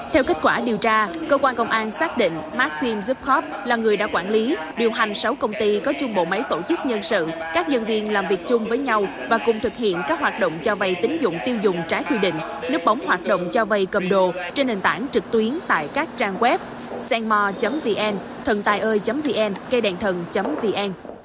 theo kết quả điều tra cơ quan công an xác định maxim zhukov là người đã quản lý điều hành sáu công ty có chung bộ mấy tổ chức nhân sự các dân viên làm việc chung với nhau và cùng thực hiện các hoạt động cho vai tính dụng tiêu dùng trái quy định nước bóng hoạt động cho vai cầm đồ trên nền tảng trực tuyến tại các trang web senmo vn thầntaioi vn cây đèn thần vn